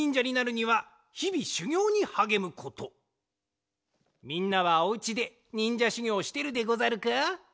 みんなはお家でにんじゃしゅぎょうしてるでござるか？